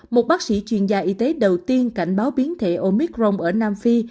một bác sĩ chuyên gia y tế đầu tiên cảnh báo biến thể omicron ở nam phi